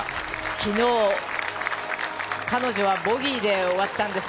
昨日、彼女はボギーで終わったんです